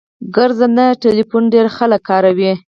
ګرځنده ټلیفون ډیر خلګ کاروي